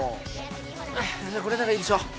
これならいいでしょ！ね。